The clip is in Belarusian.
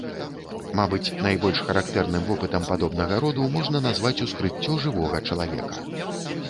Мабыць, найбольш характэрным вопытам падобнага роду можна назваць ускрыццё жывога чалавека.